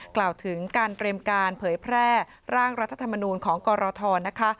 กล่าวถึงการเตรียมการเผยแพร่ร่างรัฐธรรมนูลของกรทนะคะ